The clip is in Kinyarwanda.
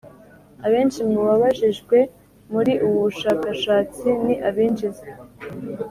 Abenshi mu babajijwe muri ubu bushakashatsi ni abinjiza